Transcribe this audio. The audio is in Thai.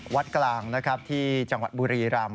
วัดกล้างที่จังหวัดบุรีรัมณ์